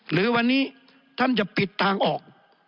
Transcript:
หรือวันนี้ท่านจะปิดทางออก